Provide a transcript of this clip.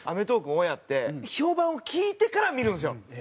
オンエアって評判を聞いてから見るんですよ。